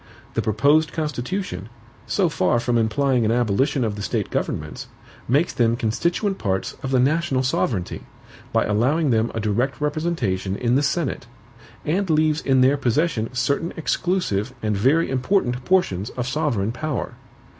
The proposed Constitution, so far from implying an abolition of the State governments, makes them constituent parts of the national sovereignty, by allowing them a direct representation in the Senate, and leaves in their possession certain exclusive and very important portions of sovereign power.